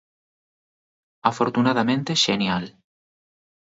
Afortunadamente xenial.